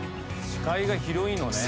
視界が広いのね。